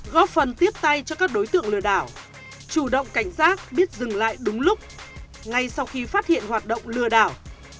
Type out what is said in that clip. góp phần tiếp tay cho các đối tượng lừa đảo chủ động cảnh giác biết dừng lại đúng lúc ngay sau khi phát hiện hoạt động lừa đảo